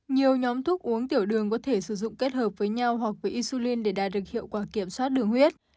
nhiều nhóm thuốc uống tiểu đường có thể sử dụng kết hợp với nhau hoặc với isulin để đạt được hiệu quả kiểm soát đường huyết